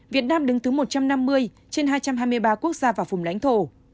việt nam đứng thứ một trăm năm mươi trên hai trăm hai mươi ba quốc gia và vùng lãnh thổ